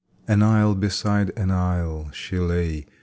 An isle beside an isle she lay.